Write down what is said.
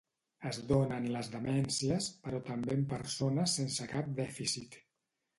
Es dóna en les demències, però també en persones sense cap dèficit.